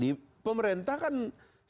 di pemerintah kan selalu kan